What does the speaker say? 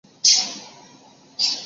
运动行销股份有限公司